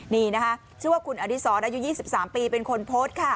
นี่นะคะชื่อว่าคุณอดีศรอายุ๒๓ปีเป็นคนโพสต์ค่ะ